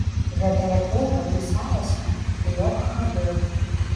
Гэтая кніга пісалася многа гадоў.